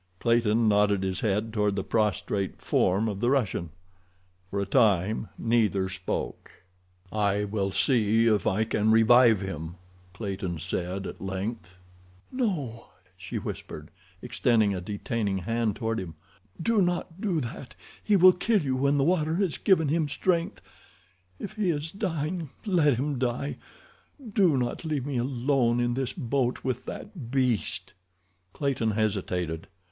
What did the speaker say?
Clayton nodded his head toward the prostrate form of the Russian. For a time neither spoke. "I will see if I can revive him," said Clayton at length. "No," she whispered, extending a detaining hand toward him. "Do not do that—he will kill you when the water has given him strength. If he is dying, let him die. Do not leave me alone in this boat with that beast." Clayton hesitated.